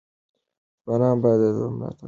ځوانان باید د ده ملاتړي شي.